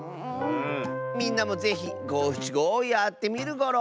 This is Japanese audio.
みんなもぜひごしちごをやってみるゴロ！